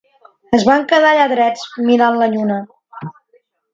Es van quedar allà drets mirant la lluna.